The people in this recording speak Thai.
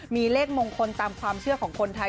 มีเลขมงคลตามความเชื่อของคนไทย